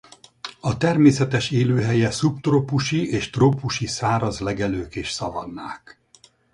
A természetes élőhelye szubtrópusi és trópusi száraz legelők és szavannák.